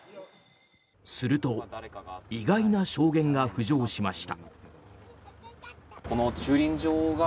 すると意外な証言が浮上しました。